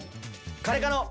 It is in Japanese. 「カレカノ！！」。